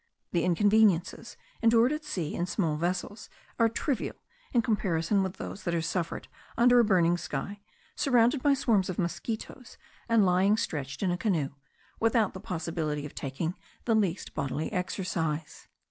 The inconveniences endured at sea in small vessels are trivial in comparison with those that are suffered under a burning sky, surrounded by swarms of mosquitos, and lying stretched in a canoe, without the possibility of taking the least bodily exercise.